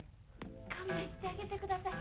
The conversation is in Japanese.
勘弁してあげてください。